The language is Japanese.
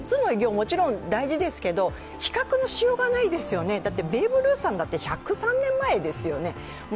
もちろん大事ですけど比較のしようがないですよね、ベーブ・ルースさんだって１０３年前ですよね。